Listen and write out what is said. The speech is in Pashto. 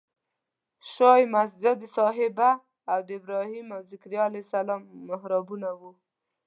شاته یې مسجد صحابه او د ابراهیم او ذکریا علیه السلام محرابونه وو.